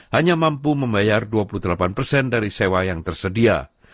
hanya mampu membeli rumah yang terkecil dari tahun dua ribu delapan